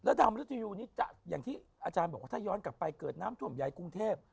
แล้วตามมาเดินมาเลยวันนี้อาจารย์บอกว่าถ้าย้อนกลับไปเกิดน้ำถ่วมใหญ่กรุงเทพฯ